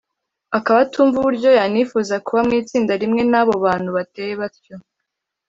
akaba atumva uburyo yanifuza kuba mu itsinda rimwe n’abo bantu bateye batyo